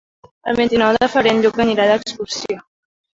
El vint-i-nou de febrer en Lluc anirà d'excursió.